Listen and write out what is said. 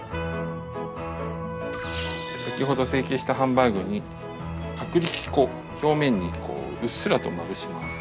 先ほど成形したハンバーグに薄力粉表面にうっすらとまぶします。